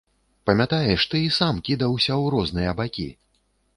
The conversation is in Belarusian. Памятаеш, ты і сам кідаўся ў розныя бакі.